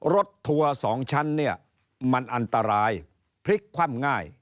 ทัวร์๒ชั้นเนี่ยมันอันตรายพลิกคว่ำง่าย